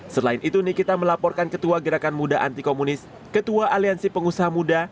selain itu nikita melaporkan ketua gerakan muda anti komunis ketua aliansi pengusaha muda